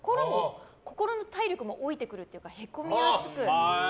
心の体力も老いてくるというかへこみやすく。